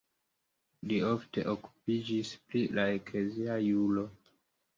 Li ofte okupiĝis pri la eklezia juro.